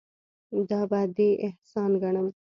دا به دې احسان ګڼم.